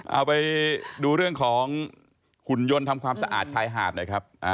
เอาไปดูเรื่องของหุ่นยนต์ทำความสะอาดชายหาดหน่อยครับ